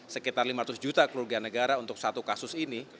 sekitar lima ratus juta kerugian negara untuk satu kasus ini